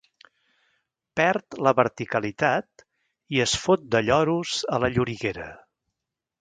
Perd la verticalitat i es fot de lloros a la lloriguera.